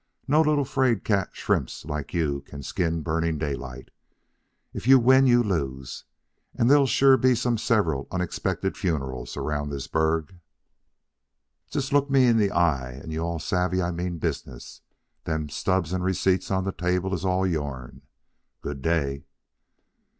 No little fraid cat shrimps like you all can skin Burning Daylight. If you win you lose, and there'll sure be some several unexpected funerals around this burg. "Just look me in the eye, and you all'll savvee I mean business. Them stubs and receipts on the table is all yourn. Good day."